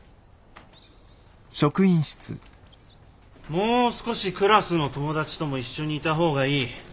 もう少しクラスの友達とも一緒にいた方がいい。